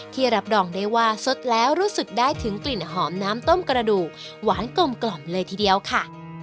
รับรองได้ว่าสดแล้วรู้สึกได้ถึงกลิ่นหอมน้ำต้มกระดูกหวานกลมเลยทีเดียวค่ะ